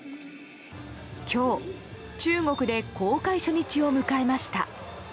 今日、中国で公開初日を迎えました。